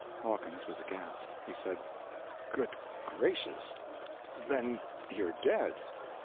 Hawkins was aghast. He said: "Good gracious, then you're dead!"